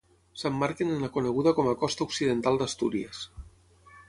S'emmarquen en la coneguda com a Costa Occidental d'Astúries.